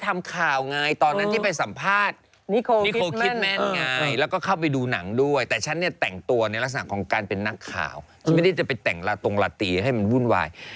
ไม่ได้จะไปแต่งตรงละตีให้มันวุ่นวาย